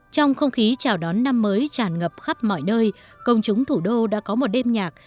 trong không khí chào đón năm mới tràn ngập khắp mọi nơi công chúng thủ đô đã có một đêm nhạc